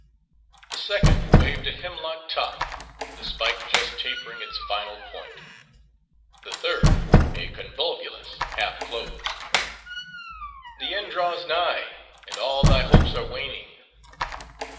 The second waved a hemlock top, the spike just tapering its final point. The third, a convolvulus, half closed. "The end draws nigh, and all thy hopes are waning."